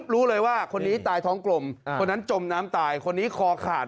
รู้เลยว่าคนนี้ตายท้องกลมคนนั้นจมน้ำตายคนนี้คอขาด